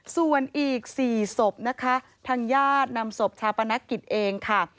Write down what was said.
ส่วนอีก๔ศพทางญาตินำศพชาปนกิจเอง